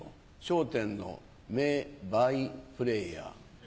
『笑点』の名バイプレーヤー。